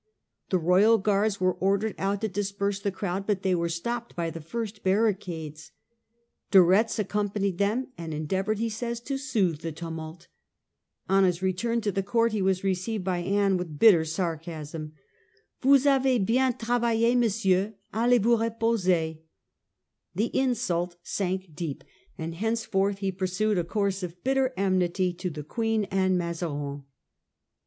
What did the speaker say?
The royal guards were ordered out to disperse the crowd, but they were stopped by the first barricades. De Retz accompanied them and endeavoured, he says, to soothe the tumult On his return to the court he was received by Anne with bitter sarcasm : 1 Vous avez bien travailld, Monsieur ; allez vous reposer.* The insult sank deep, and hence forth he pursued a course of bitter enmity to the Queen and Mazarin.